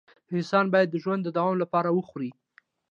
انسان باید د ژوند د دوام لپاره وخوري